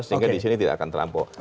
sehingga di sini tidak akan terlampau